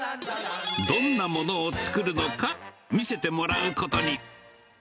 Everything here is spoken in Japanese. どんなものを作るのか、見せてもらうことに。